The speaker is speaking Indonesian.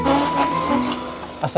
aku sudah setia